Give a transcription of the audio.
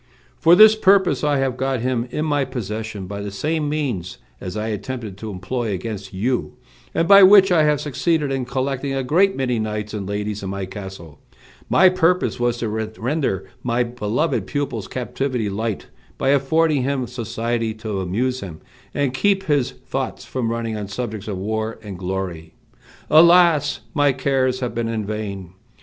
"For this purpose I have got him in my possession by the same means as I attempted to employ against you; and by which I have succeeded in collecting a great many knights and ladies in my castle. My purpose was to render my beloved pupil's captivity light, by affording him society to amuse him, and keep his thoughts from running on subjects of war and glory. Alas! my cares have been in vain!